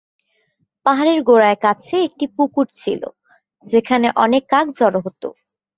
পাহাড়ের গোড়ার কাছে একটি পুকুর ছিল যেখানে অনেক কাক জড়ো হতো।